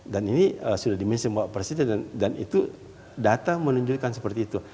dan ini sudah di mention mbak presiden dan itu data menunjukkan seperti itu